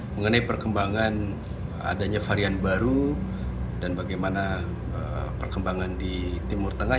mengenai perkembangan adanya varian baru dan bagaimana perkembangan di timur tengah